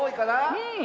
うん。